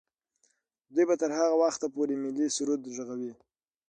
دوی به تر هغه وخته پورې ملي سرود ږغوي.